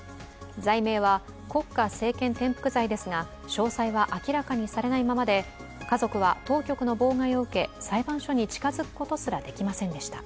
罪名は、国家政権転覆罪ですが、詳細は明らかにされないままで家族は当局の妨害を受け、裁判所に近づくことすらできませんでした。